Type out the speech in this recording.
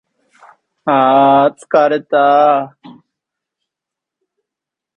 外と中をつなぐ唯一の玄関、芦ノ湖から暗闇の世界に入り、巨大な ＵＦＯ が浮ぶ都庁を目指して進んでいった